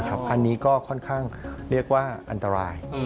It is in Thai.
อันนี้ก็ค่อนข้างเรียกว่าอันตราย